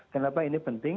kenapa ini penting